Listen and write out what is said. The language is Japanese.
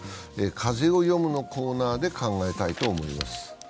「風をよむ」のコーナーで考えたいと思います。